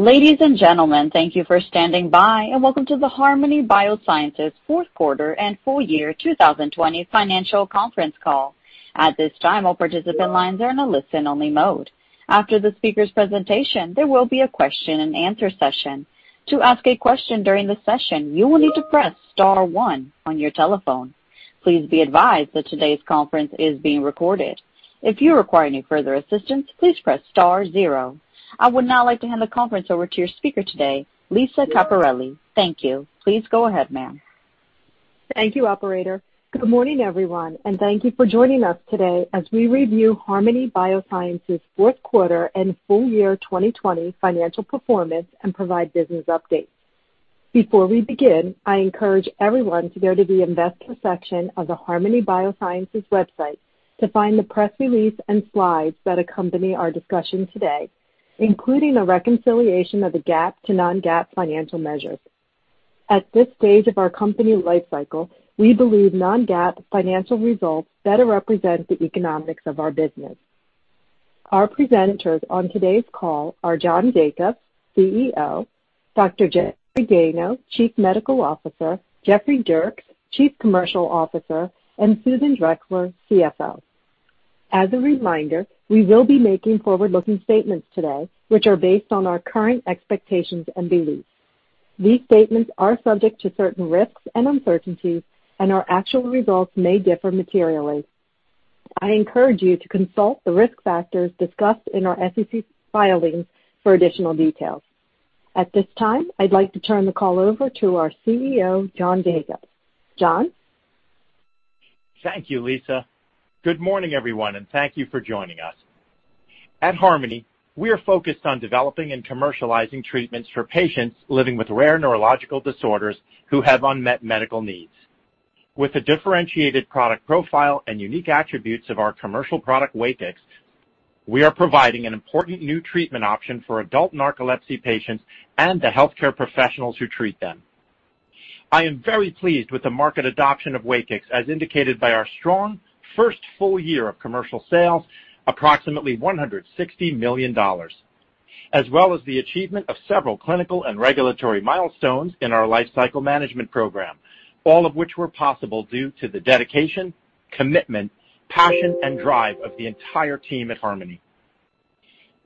Ladies and gentlemen, thank you for standing by, and welcome to the Harmony Biosciences fourth quarter and full year 2020 financial conference call. At this time, all participant lines are in a listen-only mode. After the speaker's presentation, there will be a question and answer session. To ask a question during the session, you will need to press star one on your telephone. Please be advised that today's conference is being recorded. If you require any further assistance, please press star zero. I would now like to hand the conference over to your speaker today, Lisa Caperelli. Thank you. Please go ahead, ma'am. Thank you, operator. Good morning, everyone, and thank you for joining us today as we review Harmony Biosciences fourth quarter and full year 2020 financial performance and provide business updates. Before we begin, I encourage everyone to go to the Investor section of the Harmony Biosciences website to find the press release and slides that accompany our discussion today, including a reconciliation of the GAAP to non-GAAP financial measures. At this stage of our company life cycle, we believe non-GAAP financial results better represent the economics of our business. Our presenters on today's call are John Jacobs, CEO, Dr. Jeff Dayno, Chief Medical Officer, Jeffrey Dierks, Chief Commercial Officer, and Susan Drexler, CFO. As a reminder, we will be making forward-looking statements today which are based on our current expectations and beliefs. These statements are subject to certain risks and uncertainties, and our actual results may differ materially. I encourage you to consult the risk factors discussed in our SEC filings for additional details. At this time, I'd like to turn the call over to our CEO, John Jacobs. John? Thank you, Lisa. Good morning, everyone, thank you for joining us. At Harmony, we are focused on developing and commercializing treatments for patients living with rare neurological disorders who have unmet medical needs. With a differentiated product profile and unique attributes of our commercial product, WAKIX, we are providing an important new treatment option for adult narcolepsy patients and the healthcare professionals who treat them. I am very pleased with the market adoption of WAKIX, as indicated by our strong first full year of commercial sales, approximately $160 million, as well as the achievement of several clinical and regulatory milestones in our Life Cycle Management Program, all of which were possible due to the dedication, commitment, passion, and drive of the entire team at Harmony.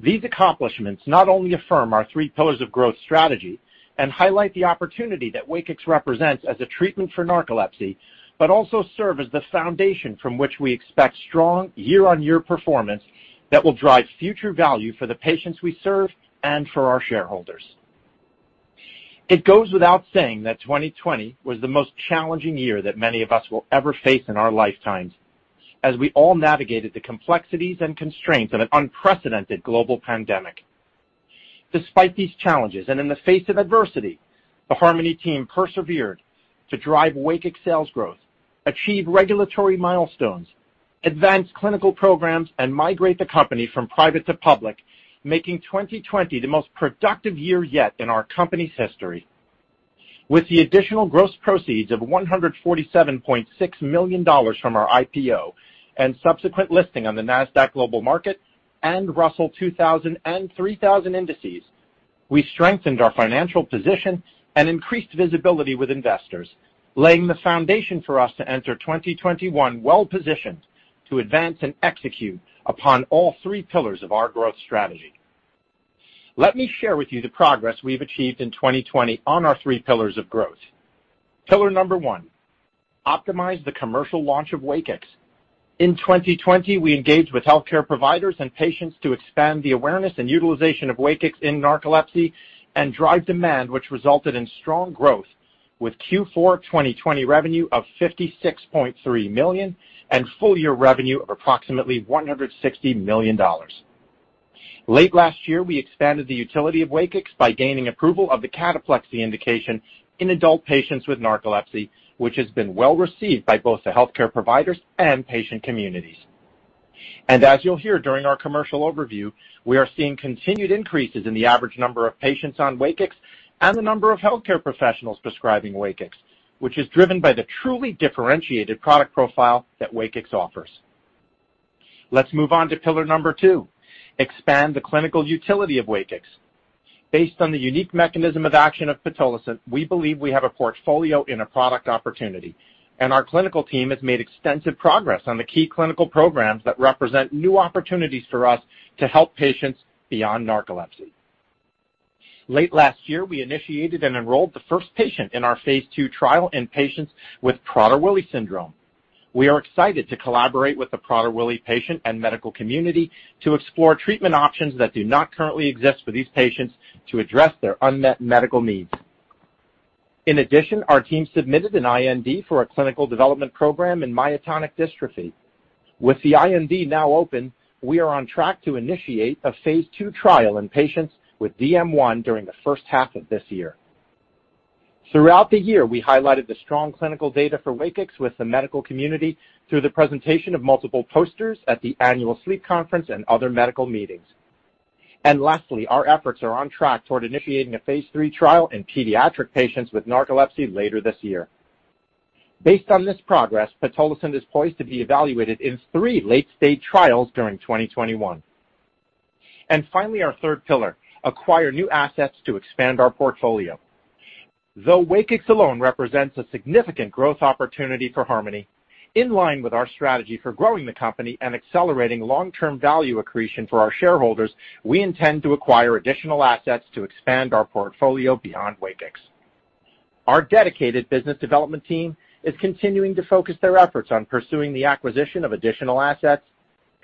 These accomplishments not only affirm our three pillars of growth strategy and highlight the opportunity that WAKIX represents as a treatment for narcolepsy, but also serve as the foundation from which we expect strong year-on-year performance that will drive future value for the patients we serve and for our shareholders. It goes without saying that 2020 was the most challenging year that many of us will ever face in our lifetimes, as we all navigated the complexities and constraints of an unprecedented global pandemic. Despite these challenges, and in the face of adversity, the Harmony team persevered to drive WAKIX sales growth, achieve regulatory milestones, advance clinical programs, and migrate the company from private to public, making 2020 the most productive year yet in our company's history. With the additional gross proceeds of $147.6 million from our IPO and subsequent listing on the Nasdaq Global Market and Russell 2000 and Russell 3000 indices, we strengthened our financial position and increased visibility with investors, laying the foundation for us to enter 2021 well-positioned to advance and execute upon all three pillars of our growth strategy. Let me share with you the progress we've achieved in 2020 on our three pillars of growth. Pillar number one, optimize the commercial launch of WAKIX. In 2020, we engaged with healthcare providers and patients to expand the awareness and utilization of WAKIX in narcolepsy and drive demand, which resulted in strong growth with Q4 2020 revenue of $56.3 million and full-year revenue of approximately $160 million. Late last year, we expanded the utility of WAKIX by gaining approval of the cataplexy indication in adult patients with narcolepsy, which has been well received by both the healthcare providers and patient communities. As you'll hear during our commercial overview, we are seeing continued increases in the average number of patients on WAKIX and the number of healthcare professionals prescribing WAKIX, which is driven by the truly differentiated product profile that WAKIX offers. Let's move on to Pillar number two, expand the clinical utility of WAKIX. Based on the unique mechanism of action of pitolisant, we believe we have a portfolio and a product opportunity, and our clinical team has made extensive progress on the key clinical programs that represent new opportunities for us to help patients beyond narcolepsy. Late last year, we initiated and enrolled the first patient in our phase II trial in patients with Prader-Willi syndrome. We are excited to collaborate with the Prader-Willi patient and medical community to explore treatment options that do not currently exist for these patients to address their unmet medical needs. In addition, our team submitted an IND for a Clinical Development Program in myotonic dystrophy. With the IND now open, we are on track to initiate a phase II trial in patients with DM1 during the first half of this year. Throughout the year, we highlighted the strong clinical data for WAKIX with the medical community through the presentation of multiple posters at the annual sleep conference and other medical meetings. Lastly, our efforts are on track toward initiating a phase III trial in pediatric patients with narcolepsy later this year. Based on this progress, pitolisant is poised to be evaluated in three late-stage trials during 2021. Finally, our third pillar, acquire new assets to expand our portfolio. Though WAKIX alone represents a significant growth opportunity for Harmony, in line with our strategy for growing the company and accelerating long-term value accretion for our shareholders, we intend to acquire additional assets to expand our portfolio beyond WAKIX. Our dedicated business development team is continuing to focus their efforts on pursuing the acquisition of additional assets,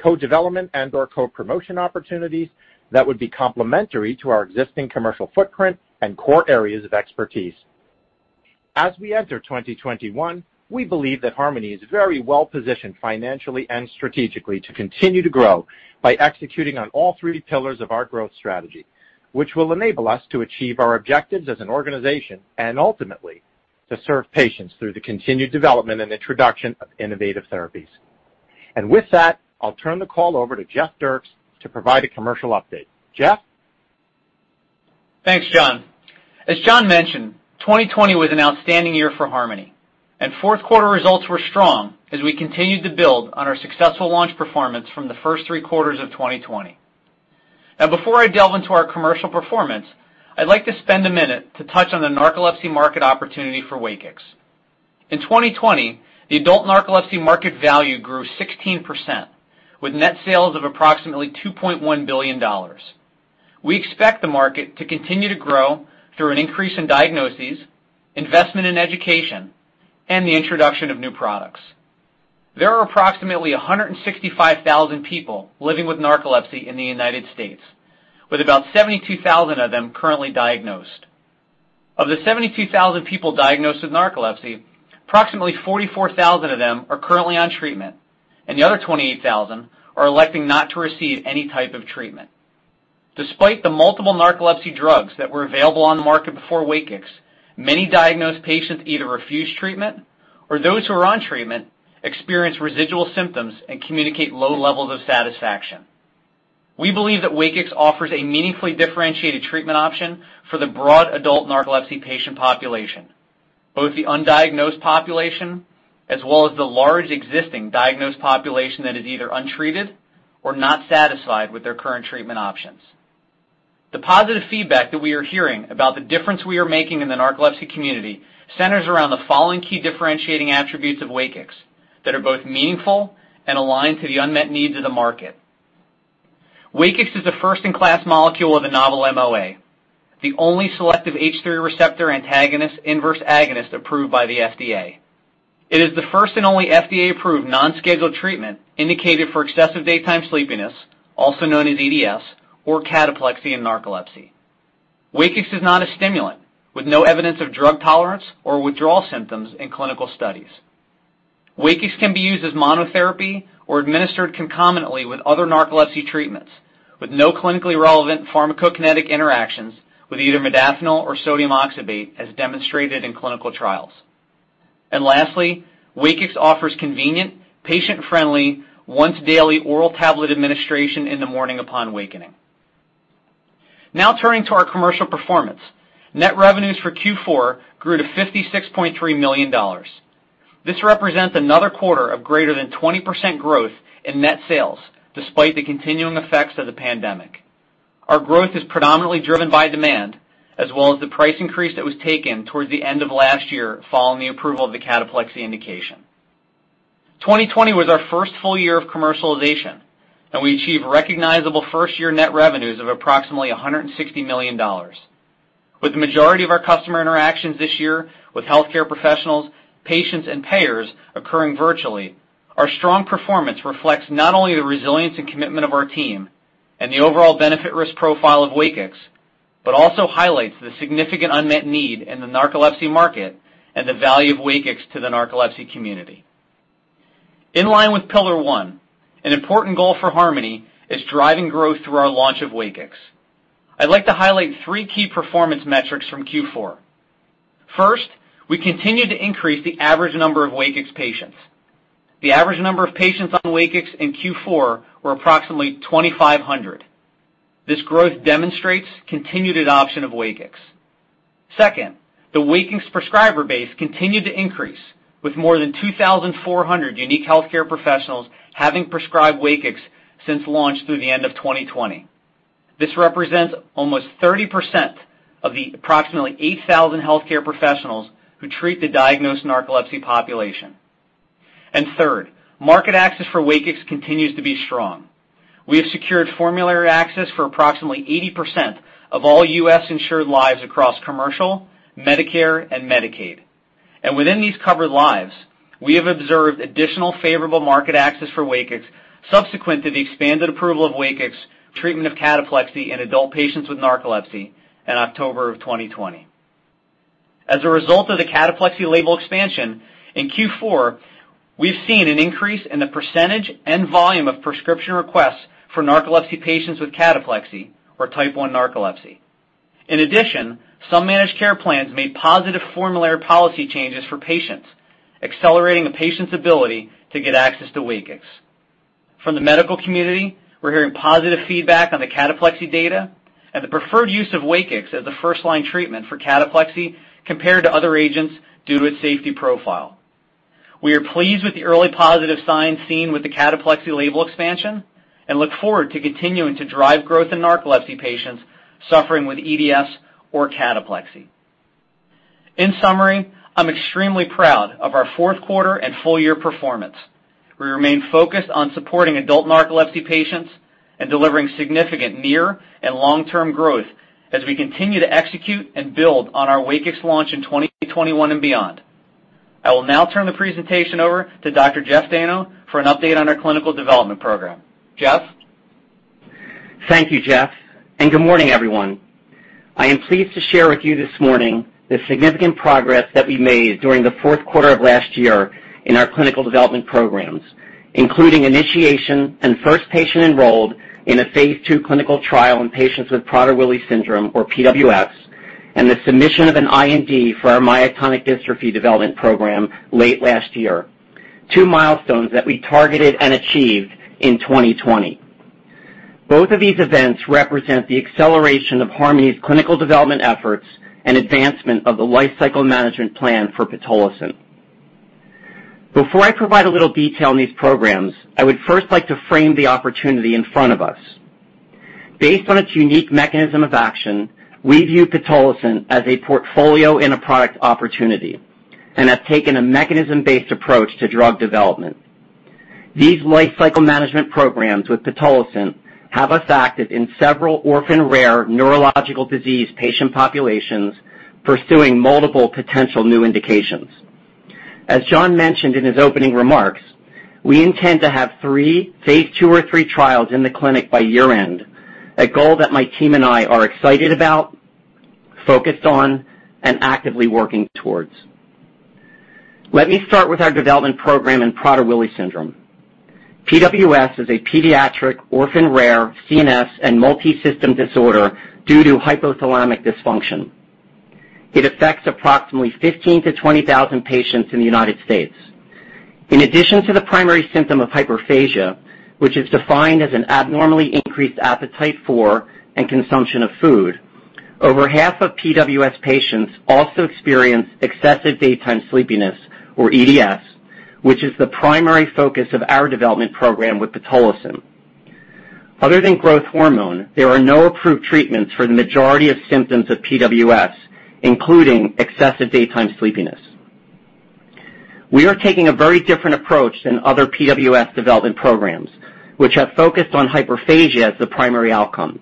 co-development and/or co-promotion opportunities that would be complementary to our existing commercial footprint and core areas of expertise. As we enter 2021, we believe that Harmony is very well-positioned financially and strategically to continue to grow by executing on all three pillars of our growth strategy, which will enable us to achieve our objectives as an organization and ultimately to serve patients through the continued development and introduction of innovative therapies. With that, I'll turn the call over to Jeff Dierks to provide a commercial update. Jeff? Thanks, John. As John mentioned, 2020 was an outstanding year for Harmony. Fourth quarter results were strong as we continued to build on our successful launch performance from the first three quarters of 2020. Now, before I delve into our commercial performance, I'd like to spend a minute to touch on the narcolepsy market opportunity for WAKIX. In 2020, the adult narcolepsy market value grew 16%, with net sales of approximately $2.1 billion. We expect the market to continue to grow through an increase in diagnoses, investment in education, and the introduction of new products. There are approximately 165,000 people living with narcolepsy in the U.S., with about 72,000 of them currently diagnosed. Of the 72,000 people diagnosed with narcolepsy, approximately 44,000 of them are currently on treatment, and the other 28,000 are electing not to receive any type of treatment. Despite the multiple narcolepsy drugs that were available on the market before WAKIX, many diagnosed patients either refuse treatment, or those who are on treatment experience residual symptoms and communicate low-levels of satisfaction. We believe that WAKIX offers a meaningfully differentiated treatment option for the broad adult narcolepsy patient population, both the undiagnosed population, as well as the large existing diagnosed population that is either untreated or not satisfied with their current treatment options. The positive feedback that we are hearing about the difference we are making in the narcolepsy community centers around the following key differentiating attributes of WAKIX that are both meaningful and aligned to the unmet needs of the market. WAKIX is a first-in-class molecule with a novel MOA, the only selective H3 receptor antagonist/inverse agonist approved by the FDA. It is the first and only FDA-approved non-scheduled treatment indicated for Excessive Daytime Sleepiness, also known as EDS, or cataplexy and narcolepsy. WAKIX is not a stimulant, with no evidence of drug tolerance or withdrawal symptoms in clinical studies. WAKIX can be used as monotherapy or administered concomitantly with other narcolepsy treatments, with no clinically relevant pharmacokinetic interactions with either modafinil or sodium oxybate, as demonstrated in clinical trials. Lastly, WAKIX offers convenient, patient-friendly, once-daily oral tablet administration in the morning upon wakening. Turning to our commercial performance. Net revenues for Q4 grew to $56.3 million. This represents another quarter of greater than 20% growth in net sales, despite the continuing effects of the pandemic. Our growth is predominantly driven by demand, as well as the price increase that was taken towards the end of last year following the approval of the cataplexy indication. 2020 was our first full year of commercialization, and we achieved recognizable first-year net revenues of approximately $160 million. With the majority of our customer interactions this year with healthcare professionals, patients, and payers occurring virtually, our strong performance reflects not only the resilience and commitment of our team and the overall benefit-risk profile of WAKIX, but also highlights the significant unmet need in the narcolepsy market and the value of WAKIX to the narcolepsy community. In line with pillar one, an important goal for Harmony is driving growth through our launch of WAKIX. I'd like to highlight three key performance metrics from Q4. First, we continue to increase the average number of WAKIX patients. The average number of patients on WAKIX in Q4 were approximately 2,500. This growth demonstrates continued adoption of WAKIX. Second, the WAKIX prescriber base continued to increase, with more than 2,400 unique healthcare professionals having prescribed WAKIX since launch through the end of 2020. This represents almost 30% of the approximately 8,000 healthcare professionals who treat the diagnosed narcolepsy population. Third, market access for WAKIX continues to be strong. We have secured formulary access for approximately 80% of all U.S. insured lives across commercial, Medicare, and Medicaid. Within these covered lives, we have observed additional favorable market access for WAKIX subsequent to the expanded approval of WAKIX for treatment of cataplexy in adult patients with narcolepsy in October of 2020. As a result of the cataplexy label expansion, in Q4, we've seen an increase in the percentage and volume of prescription requests for narcolepsy patients with cataplexy or Type 1 narcolepsy. In addition, some managed care plans made positive formulary policy changes for patients, accelerating a patient's ability to get access to WAKIX. From the medical community, we're hearing positive feedback on the cataplexy data and the preferred use of WAKIX as a first-line treatment for cataplexy compared to other agents due to its safety profile. We are pleased with the early positive signs seen with the cataplexy label expansion and look forward to continuing to drive growth in narcolepsy patients suffering with EDS or cataplexy. In summary, I'm extremely proud of our fourth quarter and full year performance. We remain focused on supporting adult narcolepsy patients and delivering significant near and long-term growth as we continue to execute and build on our WAKIX launch in 2021 and beyond. I will now turn the presentation over to Dr. Jeff Dayno for an update on our Clinical Development Program. Jeff? Thank you, Jeff. Good morning, everyone. I am pleased to share with you this morning the significant progress that we made during the fourth quarter of last year in our Clinical Development Programs, including initiation and first patient enrolled in a phase II clinical trial in patients with Prader-Willi syndrome, or PWS, and the submission of an IND for our Myotonic Dystrophy Development Program late last year, two milestones that we targeted and achieved in 2020. Both of these events represent the acceleration of Harmony's clinical development efforts and advancement of the Life Cycle Management Plan for pitolisant. Before I provide a little detail on these programs, I would first like to frame the opportunity in front of us. Based on its unique mechanism of action, we view pitolisant as a portfolio in a product opportunity and have taken a mechanism-based approach to drug development. These Life Cycle Management Programs with pitolisant have us active in several orphan rare neurological disease patient populations, pursuing multiple potential new indications. As John mentioned in his opening remarks, we intend to have three phase II or III trials in the clinic by year-end, a goal that my team and I are excited about, focused on, and actively working towards. Let me start with our development program in Prader-Willi syndrome. PWS is a pediatric orphan rare CNS and multisystem disorder due to hypothalamic dysfunction. It affects approximately 15,000 to 20,000 patients in the United States. In addition to the primary symptom of hyperphagia, which is defined as an abnormally increased appetite for and consumption of food, over 1/2 of PWS patients also experience Excessive Daytime Sleepiness, or EDS, which is the primary focus of our development program with pitolisant. Other than growth hormone, there are no approved treatments for the majority of symptoms of PWS, including Excessive Daytime Sleepiness. We are taking a very different approach than other PWS development programs, which have focused on hyperphagia as the primary outcome,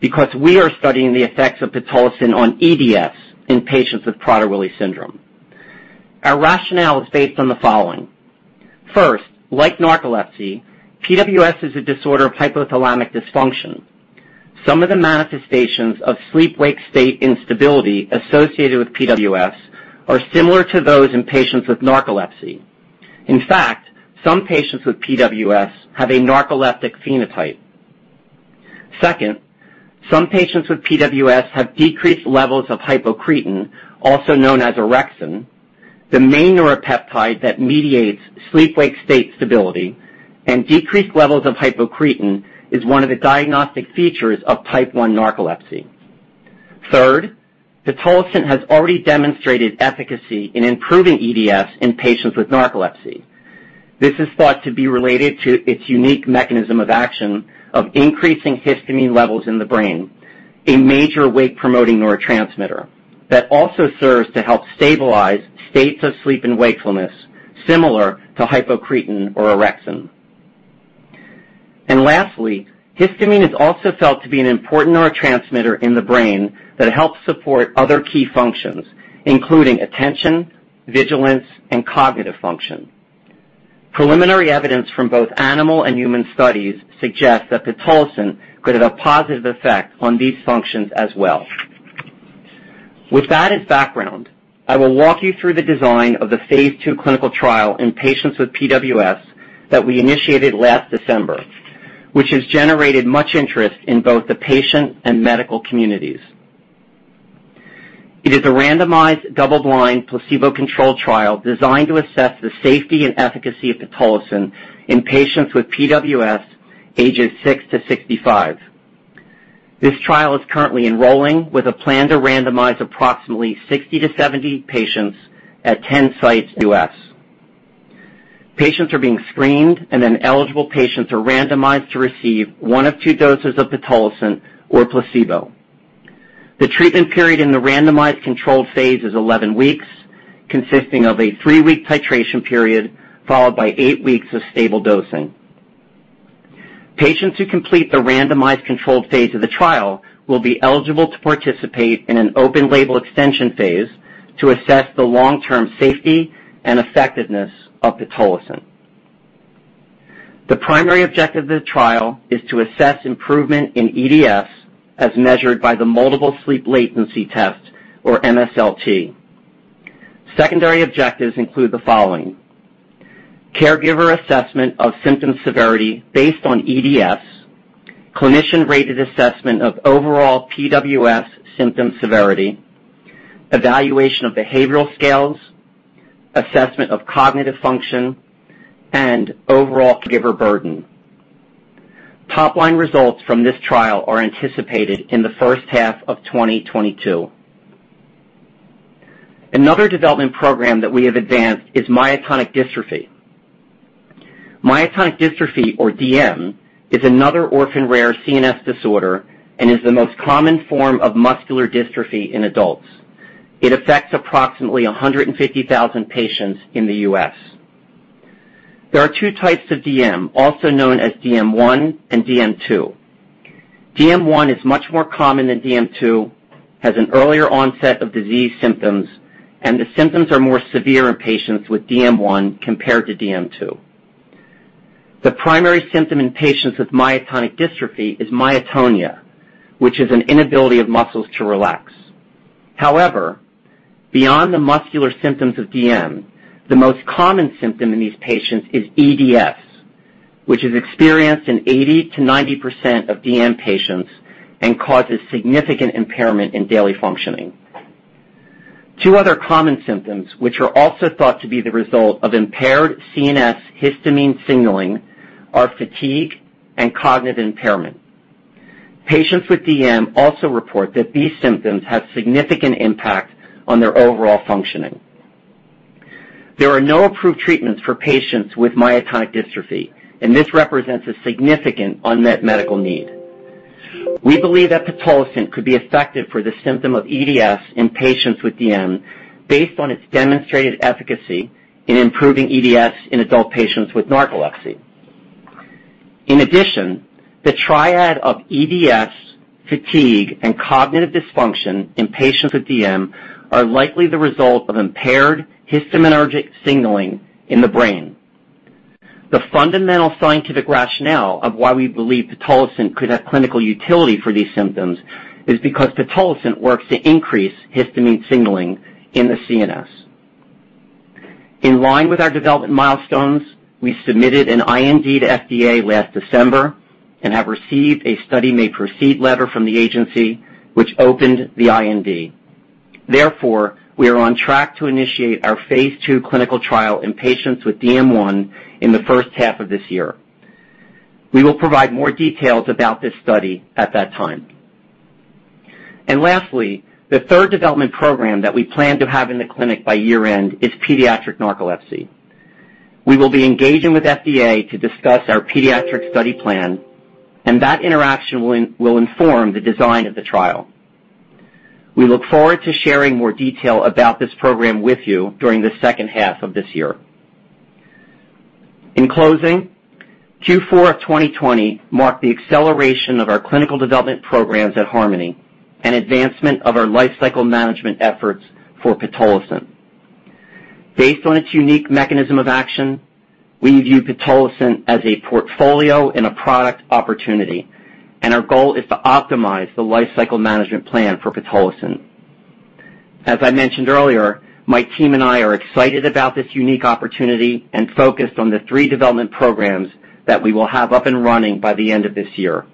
because we are studying the effects of pitolisant on EDS in patients with Prader-Willi syndrome. Our rationale is based on the following. First, like narcolepsy, PWS is a disorder of hypothalamic dysfunction. Some of the manifestations of sleep-wake state instability associated with PWS are similar to those in patients with narcolepsy. In fact, some patients with PWS have a narcoleptic phenotype. Second, some patients with PWS have decreased levels of hypocretin, also known as orexin, the main neuropeptide that mediates sleep-wake state stability, and decreased levels of hypocretin is one of the diagnostic features of Type 1 narcolepsy. Third, pitolisant has already demonstrated efficacy in improving EDS in patients with narcolepsy. This is thought to be related to its unique mechanism of action of increasing histamine levels in the brain, a major wake-promoting neurotransmitter that also serves to help stabilize states of sleep and wakefulness, similar to hypocretin or orexin. Lastly, histamine is also felt to be an important neurotransmitter in the brain that helps support other key functions, including attention, vigilance, and cognitive function. Preliminary evidence from both animal and human studies suggests that pitolisant could have a positive effect on these functions as well. With that as background, I will walk you through the design of the phase II clinical trial in patients with PWS that we initiated last December, which has generated much interest in both the patient and medical communities. It is a randomized, double-blind, placebo-controlled trial designed to assess the safety and efficacy of pitolisant in patients with PWS ages 6-65. This trial is currently enrolling with a plan to randomize approximately 60-70 patients at 10 sites in the U.S. Patients are being screened. Eligible patients are randomized to receive one of two doses of pitolisant or placebo. The treatment period in the randomized controlled phase is 11 weeks, consisting of a three-week titration period followed by eight weeks of stable dosing. Patients who complete the randomized controlled phase of the trial will be eligible to participate in an open label extension phase to assess the long-term safety and effectiveness of pitolisant. The primary objective of the trial is to assess improvement in EDS as measured by the Multiple Sleep Latency Test, or MSLT. Secondary objectives include the following. Caregiver assessment of symptom severity based on EDS, clinician-rated assessment of overall PWS symptom severity, evaluation of behavioral scales, assessment of cognitive function, and overall caregiver burden. Top-line results from this trial are anticipated in the first half of 2022. Another development program that we have advanced is myotonic dystrophy. Myotonic dystrophy, or DM, is another orphan rare CNS disorder and is the most common form of muscular dystrophy in adults. It affects approximately 150,000 patients in the U.S. There are two types of DM, also known as DM1 and DM2. DM1 is much more common than DM2, has an earlier onset of disease symptoms, and the symptoms are more severe in patients with DM1 compared to DM2. The primary symptom in patients with myotonic dystrophy is myotonia, which is an inability of muscles to relax. However, beyond the muscular symptoms of DM, the most common symptom in these patients is EDS, which is experienced in 80% to 90% of DM patients and causes significant impairment in daily functioning. Two other common symptoms, which are also thought to be the result of impaired CNS histamine signaling, are fatigue and cognitive impairment. Patients with DM also report that these symptoms have significant impact on their overall functioning. There are no approved treatments for patients with myotonic dystrophy, this represents a significant unmet medical need. We believe that pitolisant could be effective for the symptom of EDS in patients with DM based on its demonstrated efficacy in improving EDS in adult patients with narcolepsy. In addition, the triad of EDS, fatigue, and cognitive dysfunction in patients with DM are likely the result of impaired histaminergic signaling in the brain. The fundamental scientific rationale of why we believe pitolisant could have clinical utility for these symptoms is because pitolisant works to increase histamine signaling in the CNS. In line with our development milestones, we submitted an IND to FDA last December and have received a Study May Proceed letter from the agency which opened the IND. Therefore, we are on track to initiate our phase II clinical trial in patients with DM1 in the first half of this year. We will provide more details about this study at that time. Lastly, the third development program that we plan to have in the clinic by year-end is pediatric narcolepsy. We will be engaging with FDA to discuss our pediatric study plan, and that interaction will inform the design of the trial. We look forward to sharing more detail about this program with you during the second half of this year. In closing, Q4 of 2020 marked the acceleration of our Clinical Development Programs at Harmony and advancement of our Life Cycle Management efforts for pitolisant. Based on its unique mechanism of action, we view pitolisant as a portfolio and a product opportunity, and our goal is to optimize the Life Cycle Management Plan for pitolisant. As I mentioned earlier, my team and I are excited about this unique opportunity and focused on the three development programs that we will have up and running by the end of this year.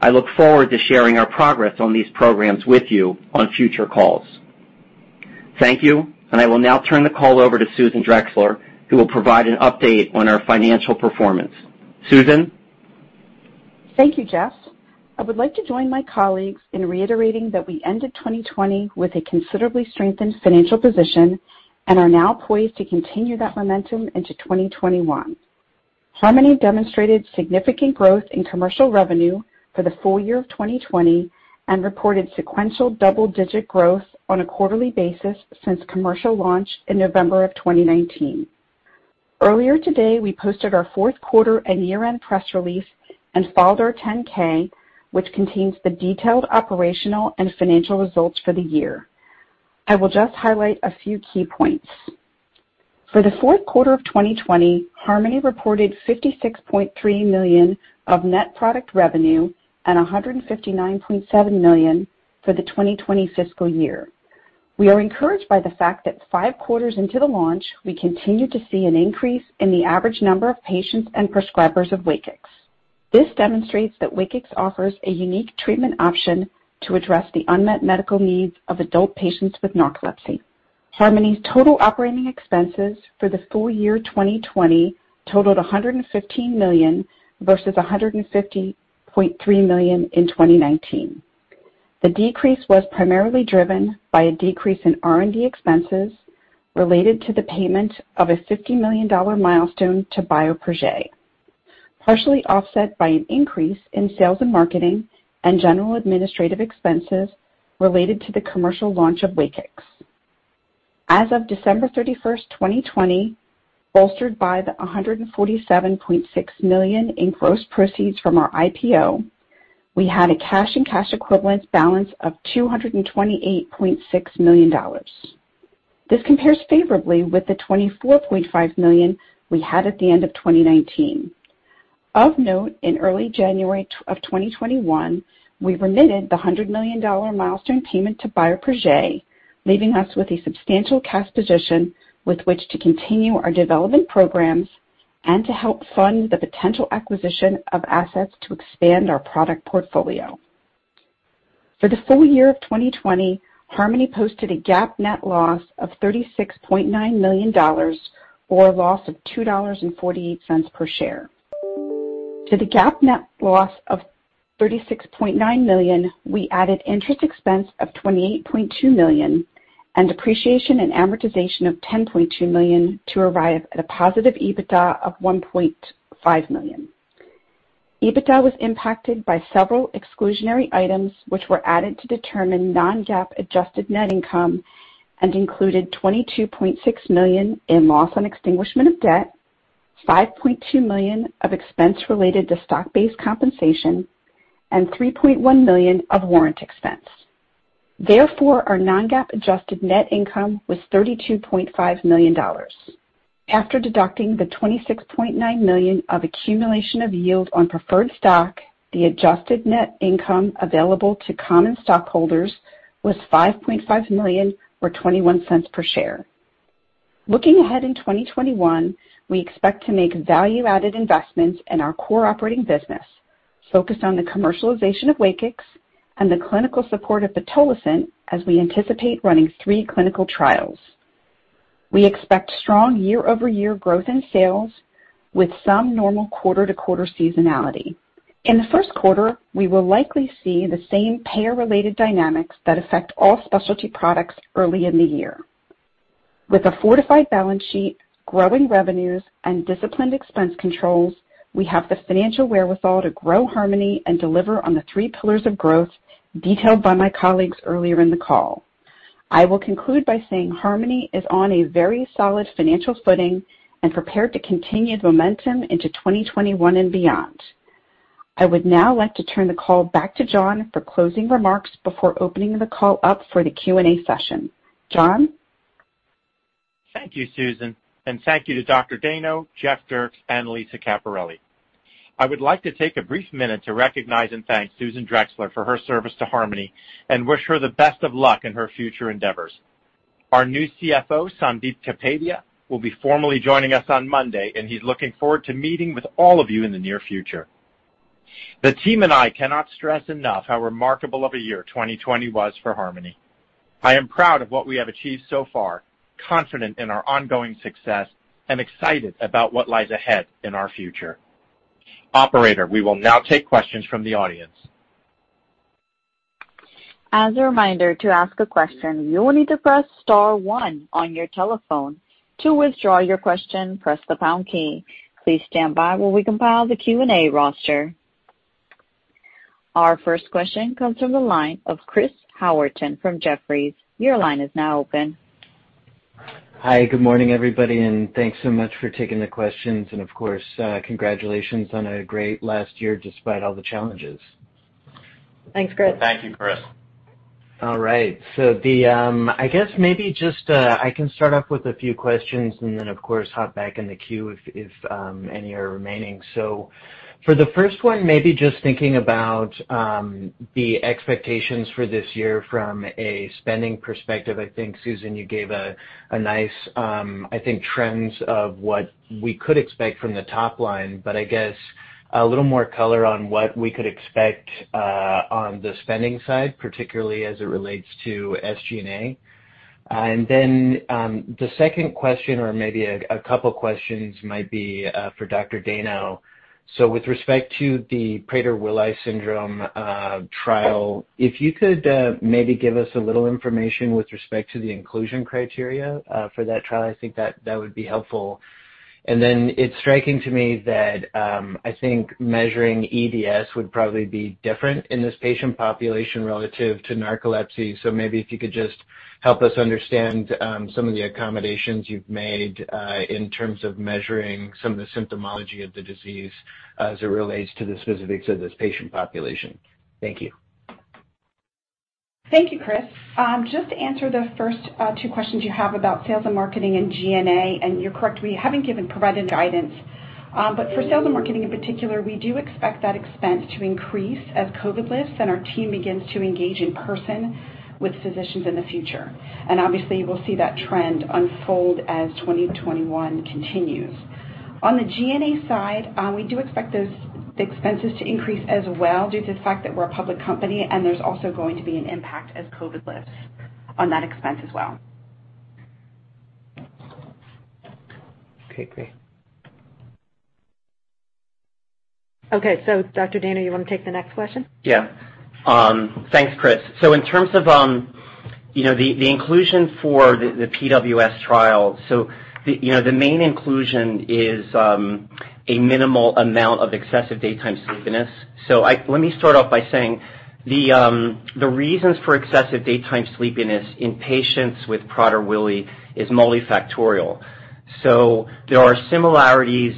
I look forward to sharing our progress on these programs with you on future calls. Thank you, and I will now turn the call over to Susan Drexler, who will provide an update on our financial performance. Susan? Thank you, Jeff. I would like to join my colleagues in reiterating that we ended 2020 with a considerably strengthened financial position and are now poised to continue that momentum into 2021. Harmony demonstrated significant growth in commercial revenue for the full year of 2020 and reported sequential double-digit growth on a quarterly basis since commercial launch in November of 2019. Earlier today, we posted our fourth quarter and year-end press release and filed our 10-K, which contains the detailed operational and financial results for the year. I will just highlight a few key points. For the fourth quarter of 2020, Harmony reported $56.3 million of net product revenue and $159.7 million for the 2020 fiscal year. We are encouraged by the fact that five quarters into the launch, we continue to see an increase in the average number of patients and prescribers of WAKIX. This demonstrates that WAKIX offers a unique treatment option to address the unmet medical needs of adult patients with narcolepsy. Harmony's total operating expenses for the full year 2020 totaled $115 million versus $150.3 million in 2019. The decrease was primarily driven by a decrease in R&D expenses related to the payment of a $50 million milestone to Bioprojet, partially offset by an increase in sales and marketing and general administrative expenses related to the commercial launch of WAKIX. As of December 31st, 2020, bolstered by the $147.6 million in gross proceeds from our IPO, we had a cash and cash equivalent balance of $228.6 million. This compares favorably with the $24.5 million we had at the end of 2019. Of note, in early January of 2021, we remitted the $100 million milestone payment to Bioprojet, leaving us with a substantial cash position with which to continue our development programs and to help fund the potential acquisition of assets to expand our product portfolio. For the full year of 2020, Harmony posted a GAAP net loss of $36.9 million, or a loss of $2.48 per share. To the GAAP net loss of $36.9 million, we added interest expense of $28.2 million and depreciation and amortization of $10.2 million to arrive at a positive EBITDA of $1.5 million. EBITDA was impacted by several exclusionary items which were added to determine non-GAAP adjusted net income and included $22.6 million in loss on extinguishment of debt, $5.2 million of expense related to stock-based compensation, and $3.1 million of warrant expense. Therefore, our non-GAAP adjusted net income was $32.5 million. After deducting the $26.9 million of accumulation of yield on preferred stock, the adjusted net income available to common stockholders was $5.5 million or $0.21 per share. Looking ahead in 2021, we expect to make value-added investments in our core operating business, focused on the commercialization of WAKIX and the clinical support of pitolisant as we anticipate running three clinical trials. We expect strong year-over-year growth in sales with some normal quarter-to-quarter seasonality. In the first quarter, we will likely see the same payer-related dynamics that affect all specialty products early in the year. With a fortified balance sheet, growing revenues, and disciplined expense controls, we have the financial wherewithal to grow Harmony and deliver on the three pillars of growth detailed by my colleagues earlier in the call. I will conclude by saying Harmony is on a very solid financial footing and prepared to continue the momentum into 2021 and beyond. I would now like to turn the call back to John for closing remarks before opening the call up for the Q&A session. John? Thank you, Susan, and thank you to Dr. Dayno, Jeff Dierks, and Lisa Caperelli. I would like to take a brief minute to recognize and thank Susan Drexler for her service to Harmony and wish her the best of luck in her future endeavors. Our new CFO, Sandip Kapadia, will be formally joining us on Monday, and he's looking forward to meeting with all of you in the near future. The team and I cannot stress enough how remarkable of a year 2020 was for Harmony. I am proud of what we have achieved so far, confident in our ongoing success, and excited about what lies ahead in our future. Operator, we will now take questions from the audience. Our first question comes from the line of Chris Howerton from Jefferies. Your line is now open. Hi. Good morning, everybody. Thanks so much for taking the questions. Of course, congratulations on a great last year despite all the challenges. Thanks, Chris. Thank you, Chris. All right. I guess maybe just I can start off with a few questions and then, of course, hop back in the queue if any are remaining. For the first one, maybe just thinking about the expectations for this year from a spending perspective. I think, Susan, you gave a nice trends of what we could expect from the top line, but I guess a little more color on what we could expect on the spending side, particularly as it relates to SG&A. The second question, or maybe a couple questions might be for Dr. Dayno. With respect to the Prader-Willi syndrome trial, if you could maybe give us a little information with respect to the inclusion criteria for that trial, I think that would be helpful. It's striking to me that I think measuring EDS would probably be different in this patient population relative to narcolepsy. Maybe if you could just help us understand some of the accommodations you've made in terms of measuring some of the symptomology of the disease as it relates to the specifics of this patient population. Thank you. Thank you, Chris. Just to answer the first two questions you have about sales and marketing and G&A, you're correct, we haven't provided guidance. For sales and marketing in particular, we do expect that expense to increase as COVID lifts and our team begins to engage in person with physicians in the future. Obviously, we'll see that trend unfold as 2021 continues. On the G&A side, we do expect those expenses to increase as well due to the fact that we're a public company, and there's also going to be an impact as COVID lifts on that expense as well. Okay, great. Okay. Dr. Dayno, you want to take the next question? Thanks, Chris. In terms of the inclusion for the PWS trial, the main inclusion is a minimal amount of Excessive Daytime Sleepiness. Let me start off by saying the reasons for Excessive Daytime Sleepiness in patients with Prader-Willi is multifactorial. There are similarities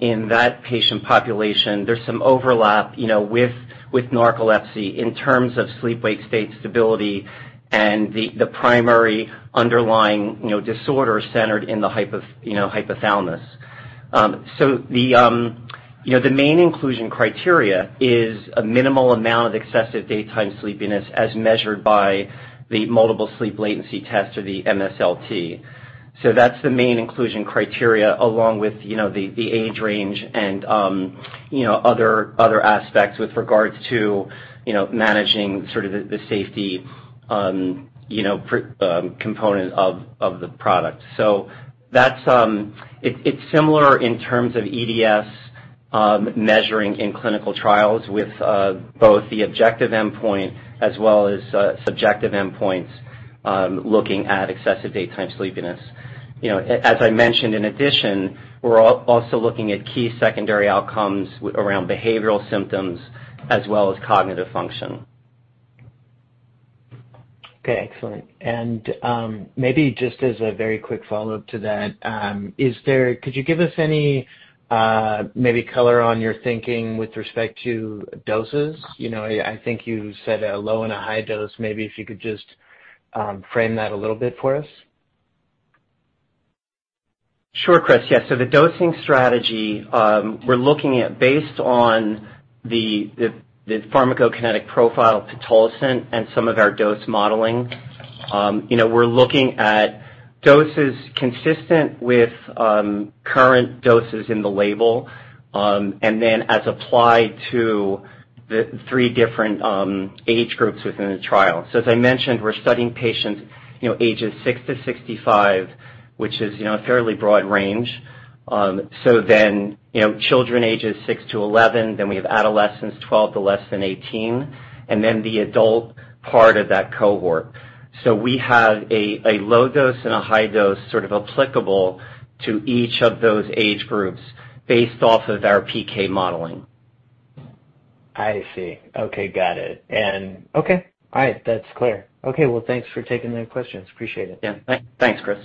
in that patient population. There's some overlap with narcolepsy in terms of sleep-wake state stability and the primary underlying disorder centered in the hypothalamus. The main inclusion criteria is a minimal amount of Excessive Daytime Sleepiness as measured by the Multiple Sleep Latency Test or the MSLT. That's the main inclusion criteria along with the age range and other aspects with regards to managing sort of the safety component of the product. It's similar in terms of EDS measuring in clinical trials with both the objective endpoint as well as subjective endpoints looking at Excessive Daytime Sleepiness. As I mentioned, in addition, we're also looking at key secondary outcomes around behavioral symptoms as well as cognitive function. Okay, excellent. Maybe just as a very quick follow-up to that, could you give us any maybe color on your thinking with respect to doses? I think you said a low and a high dose. Maybe if you could just frame that a little bit for us. Sure, Chris. Yes. The dosing strategy we're looking at based on the pharmacokinetic profile pitolisant and some of our dose modeling. We're looking at doses consistent with current doses in the label, as applied to the three different age groups within the trial. As I mentioned, we're studying patients ages 6-65, which is a fairly broad range. Children ages 6-11, then we have adolescents 12 to less than 18, and then the adult part of that cohort. We have a low dose and a high dose sort of applicable to each of those age groups based off of our PK modeling. I see. Okay, got it. Okay. All right, that's clear. Okay. Well, thanks for taking the questions. Appreciate it. Yeah. Thanks, Chris.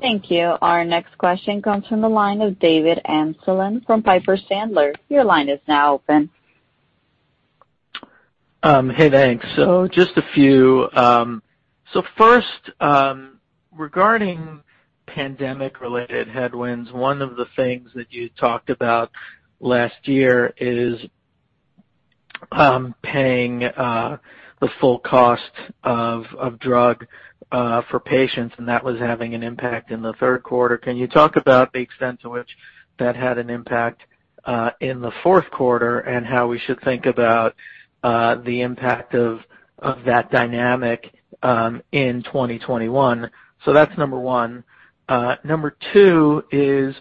Thank you. Our next question comes from the line of David Amsellem from Piper Sandler. Your line is now open. Hey, thanks. Just a few. First, regarding pandemic related headwinds, one of the things that you talked about last year is paying the full cost of drug for patients, and that was having an impact in the third quarter. Can you talk about the extent to which that had an impact in the fourth quarter and how we should think about the impact of that dynamic in 2021? That's number one. Number two is,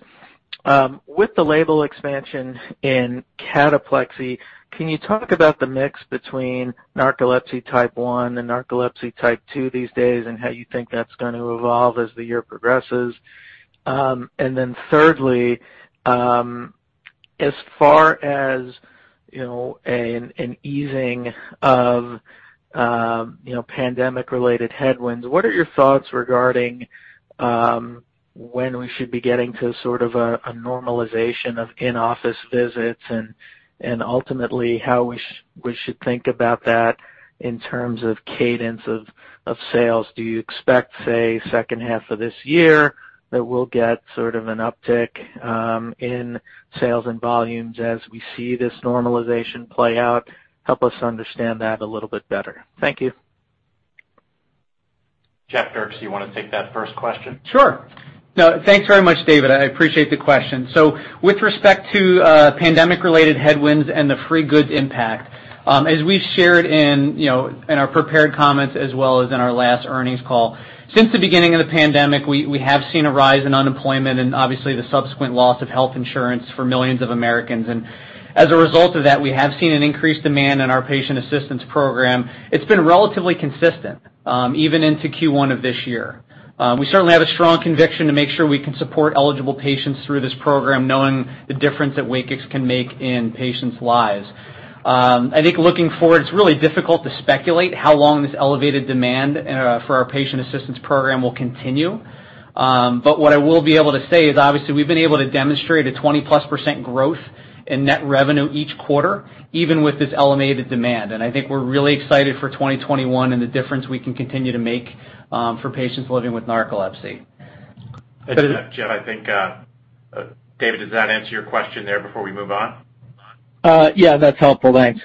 with the label expansion in cataplexy, can you talk about the mix between narcolepsy Type 1 and narcolepsy Type 2 these days, and how you think that's going to evolve as the year progresses? Thirdly, as far as an easing of pandemic related headwinds, what are your thoughts regarding when we should be getting to sort of a normalization of in-office visits and ultimately how we should think about that in terms of cadence of sales? Do you expect, say, second half of this year that we'll get sort of an uptick in sales and volumes as we see this normalization play out? Help us understand that a little bit better. Thank you. Jeff Dierks, you want to take that first question? Sure. No, thanks very much, David Amsellem. I appreciate the question. With respect to pandemic related headwinds and the free goods impact, as we've shared in our prepared comments as well as in our last earnings call, since the beginning of the pandemic, we have seen a rise in unemployment and obviously the subsequent loss of health insurance for millions of Americans. As a result of that, we have seen an increased demand in our Patient Assistance Program. It's been relatively consistent, even into Q1 of this year. We certainly have a strong conviction to make sure we can support eligible patients through this program, knowing the difference that WAKIX can make in patients' lives. I think looking forward, it's really difficult to speculate how long this elevated demand for our Patient Assistance Program will continue. What I will be able to say is obviously we've been able to demonstrate a 20%+ growth in net revenue each quarter, even with this elevated demand. I think we're really excited for 2021 and the difference we can continue to make for patients living with narcolepsy. Jeff, I think, David, does that answer your question there before we move on? Yeah, that's helpful. Thanks.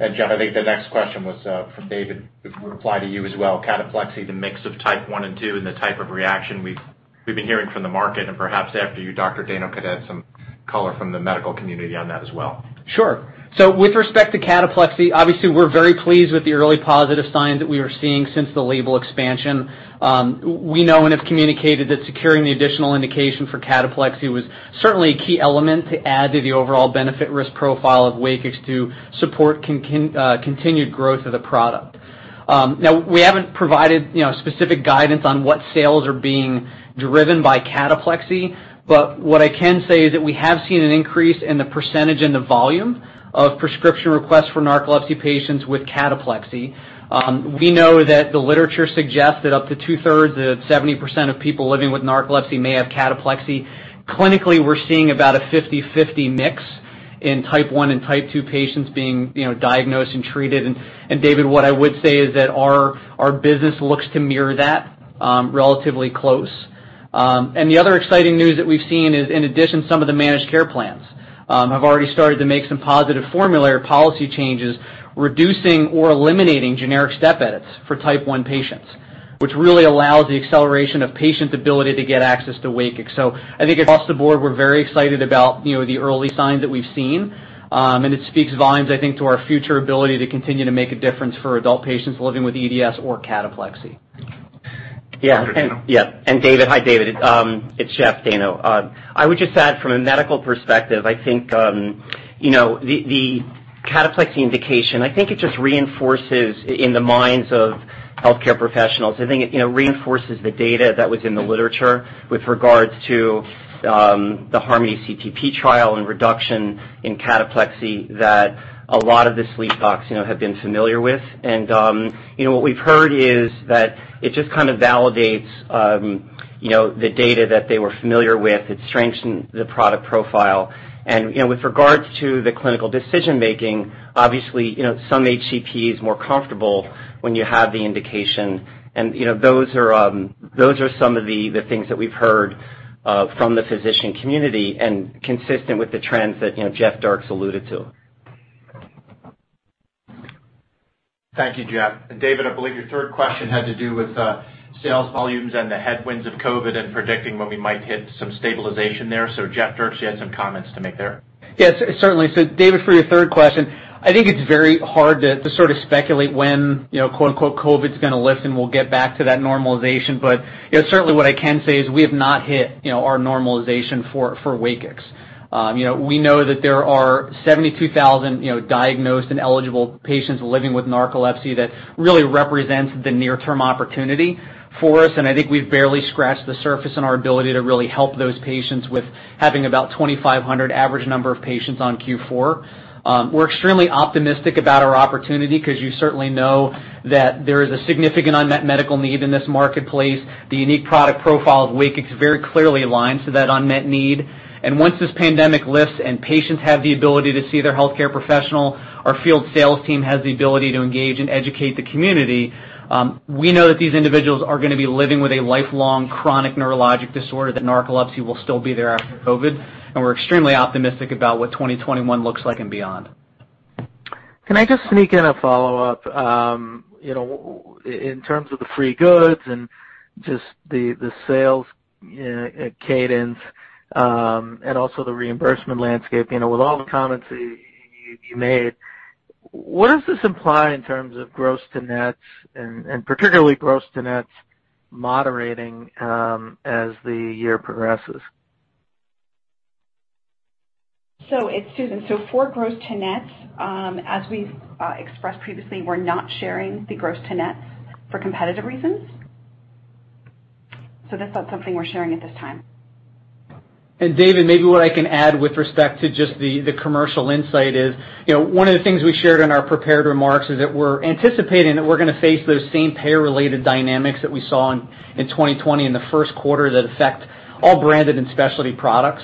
Jeff, I think the next question was for David. It would apply to you as well. Cataplexy, the mix of Type 1 and 2 and the type of reaction we've been hearing from the market. Perhaps after you, Dr. Dayno could add some color from the medical community on that as well. Sure. With respect to cataplexy, obviously, we're very pleased with the early positive signs that we are seeing since the label expansion. We know and have communicated that securing the additional indication for cataplexy was certainly a key element to add to the overall benefit risk profile of WAKIX to support continued growth of the product. Now, we haven't provided specific guidance on what sales are being driven by cataplexy, but what I can say is that we have seen an increase in the percentage and the volume of prescription requests for narcolepsy patients with cataplexy. We know that the literature suggests that up to 2/3, that 70% of people living with narcolepsy may have cataplexy. Clinically, we're seeing about a 50/50 mix in Type 1 and Type 2 patients being diagnosed and treated. David, what I would say is that our business looks to mirror that relatively close. The other exciting news that we've seen is, in addition, some of the managed care plans have already started to make some positive formulary policy changes, reducing or eliminating generic step edits for Type 1 patients, which really allows the acceleration of patients' ability to get access to WAKIX. I think across the board, we're very excited about the early signs that we've seen. It speaks volumes, I think, to our future ability to continue to make a difference for adult patients living with EDS or cataplexy. Yeah. Thank you, Jeff. And David. Hi, David. It's Jeff Dayno. I would just add from a medical perspective, I think, the cataplexy indication, I think it just reinforces in the minds of healthcare professionals. I think it reinforces the data that was in the literature with regards to the HARMONY CTP trial and reduction in cataplexy that a lot of the sleep docs have been familiar with. What we've heard is that it just kind of validates the data that they were familiar with. It strengthened the product profile. With regards to the clinical decision-making, obviously, some HCP is more comfortable when you have the indication. Those are some of the things that we've heard from the physician community and consistent with the trends that Jeff Dierks alluded to. Thank you, Jeff. David, I believe your third question had to do with sales volumes and the headwinds of COVID and predicting when we might hit some stabilization there. Jeffrey Dierks, you had some comments to make there. Yes, certainly. David, for your third question, I think it's very hard to sort of speculate when, quote-unquote, COVID's going to lift and we'll get back to that normalization. Certainly what I can say is we have not hit our normalization for WAKIX. We know that there are 72,000 diagnosed and eligible patients living with narcolepsy that really represents the near-term opportunity for us, and I think we've barely scratched the surface in our ability to really help those patients with having about 2,500 average number of patients on Q4. We're extremely optimistic about our opportunity because you certainly know that there is a significant unmet medical need in this marketplace. The unique product profile of WAKIX very clearly aligns to that unmet need. Once this pandemic lifts and patients have the ability to see their healthcare professional, our field sales team has the ability to engage and educate the community. We know that these individuals are going to be living with a lifelong chronic neurologic disorder, that narcolepsy will still be there after COVID, and we're extremely optimistic about what 2021 looks like and beyond. Can I just sneak in a follow-up? In terms of the free goods and just the sales cadence, and also the reimbursement landscape, with all the comments that you made, what does this imply in terms of gross to nets and particularly gross to nets moderating as the year progresses? It's Susan. For gross to nets, as we've expressed previously, we're not sharing the gross to nets for competitive reasons. That's not something we're sharing at this time. David, maybe what I can add with respect to just the commercial insight is, one of the things we shared in our prepared remarks is that we're anticipating that we're going to face those same payer-related dynamics that we saw in 2020 in the first quarter that affect all branded and specialty products,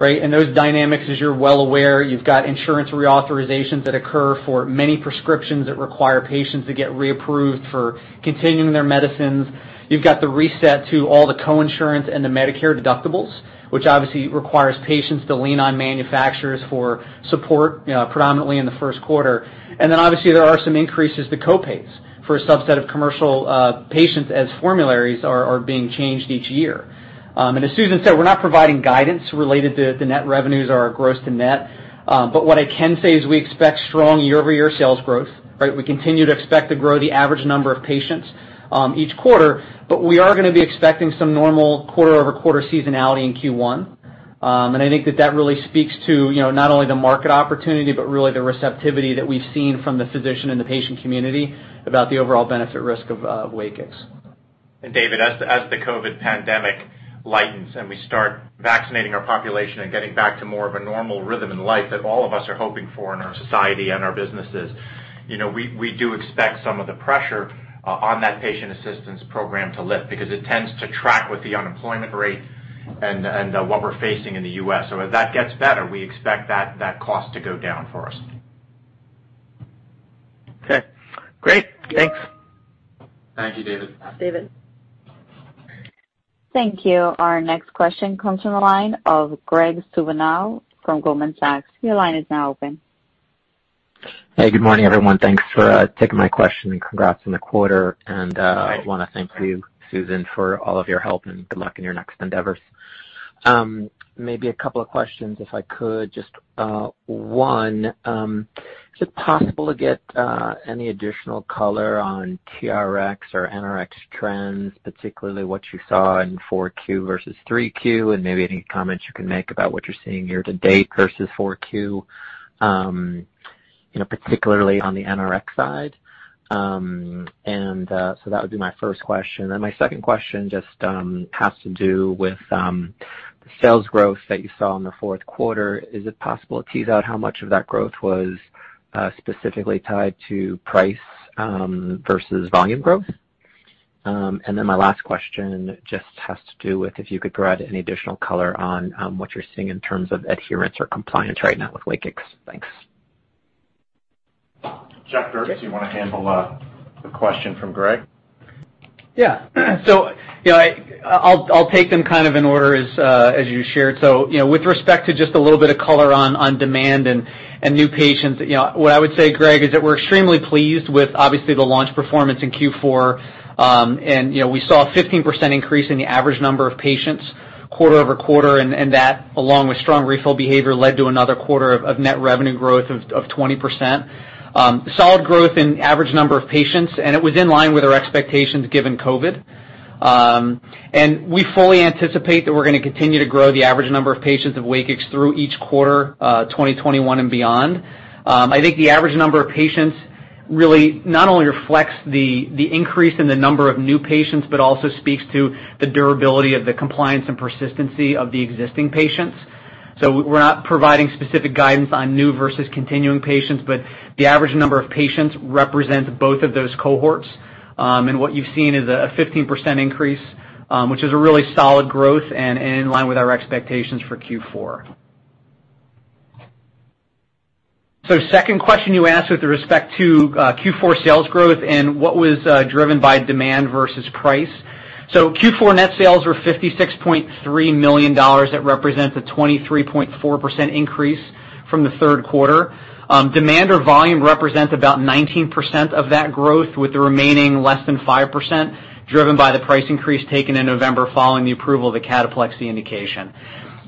right? Those dynamics, as you're well aware, you've got insurance reauthorizations that occur for many prescriptions that require patients to get reapproved for continuing their medicines. You've got the reset to all the co-insurance and the Medicare deductibles, which obviously requires patients to lean on manufacturers for support predominantly in the first quarter. Then obviously there are some increases to co-pays for a subset of commercial patients as formularies are being changed each year. As Susan said, we're not providing guidance related to the net revenues or our gross to net. What I can say is we expect strong year-over-year sales growth, right? We continue to expect to grow the average number of patients each quarter, but we are going to be expecting some normal quarter-over-quarter seasonality in Q1. I think that that really speaks to not only the market opportunity, but really the receptivity that we've seen from the physician and the patient community about the overall benefit risk of WAKIX. David, as the COVID pandemic lightens and we start vaccinating our population and getting back to more of a normal rhythm in life that all of us are hoping for in our society and our businesses, we do expect some of the pressure on that Patient Assistance Program to lift because it tends to track with the unemployment rate and what we're facing in the U.S. If that gets better, we expect that cost to go down for us. Okay. Great. Thanks. Thank you, David. Thanks, David. Thank you. Our next question comes from the line of Graig Suvannavejh from Goldman Sachs. Your line is now open. Hey, good morning, everyone. Thanks for taking my question and congrats on the quarter. I want to thank you, Susan, for all of your help and good luck in your next endeavors. Maybe a couple of questions, if I could, just one. Is it possible to get any additional color on TRx or NRX trends, particularly what you saw in 4Q versus 3Q, and maybe any comments you can make about what you're seeing year-to-date versus 4Q particularly on the NRX side? That would be my first question. My second question just has to do with the sales growth that you saw in the fourth quarter. Is it possible to tease out how much of that growth was specifically tied to price versus volume growth? Then my last question just has to do with if you could provide any additional color on what you're seeing in terms of adherence or compliance right now with WAKIX. Thanks. Jeff Dierks, you want to handle the question from Graig? Yeah. I'll take them kind of in order as you shared. With respect to just a little bit of color on demand and new patients, what I would say, Graig, is that we're extremely pleased with obviously the launch performance in Q4. We saw a 15% increase in the average number of patients quarter-over-quarter, and that, along with strong refill behavior, led to another quarter of net revenue growth of 20%. Solid growth in average number of patients, it was in line with our expectations given COVID. We fully anticipate that we're going to continue to grow the average number of patients of WAKIX through each quarter, 2021 and beyond. I think the average number of patients really not only reflects the increase in the number of new patients, but also speaks to the durability of the compliance and persistency of the existing patients. We're not providing specific guidance on new versus continuing patients, but the average number of patients represents both of those cohorts. What you've seen is a 15% increase, which is a really solid growth and in line with our expectations for Q4. Second question you asked with respect to Q4 sales growth and what was driven by demand versus price. Q4 net sales were $56.3 million. That represents a 23.4% increase from the third quarter. Demand or volume represents about 19% of that growth, with the remaining less than 5% driven by the price increase taken in November following the approval of the cataplexy indication.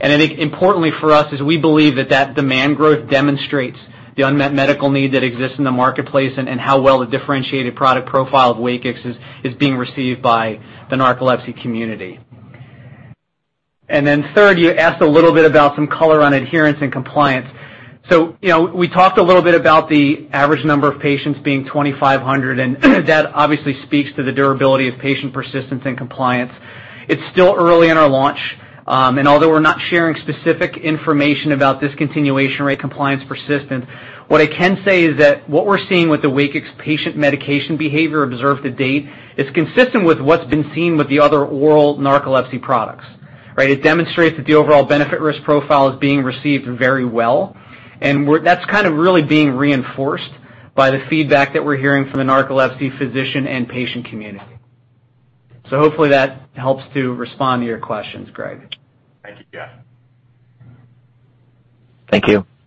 I think importantly for us is we believe that that demand growth demonstrates the unmet medical need that exists in the marketplace and how well the differentiated product profile of WAKIX is being received by the narcolepsy community. Third, you asked a little bit about some color on adherence and compliance. We talked a little bit about the average number of patients being 2,500, and that obviously speaks to the durability of patient persistence and compliance. It's still early in our launch. Although we're not sharing specific information about discontinuation rate compliance persistence, what I can say is that what we're seeing with the WAKIX patient medication behavior observed to date is consistent with what's been seen with the other oral narcolepsy products. Right? It demonstrates that the overall benefit risk profile is being received very well, and that's kind of really being reinforced by the feedback that we're hearing from the narcolepsy physician and patient community. Hopefully that helps to respond to your questions, Graig. Thank you, Jeff. Thank you.